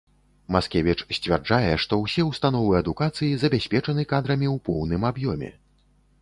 Маскевіч сцвярджае, што ўсе ўстановы адукацыі забяспечаны кадрамі ў поўным аб'ёме.